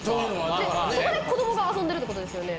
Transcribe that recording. そこで子どもが遊んでるってことですよね？